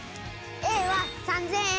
Ａは３０００円。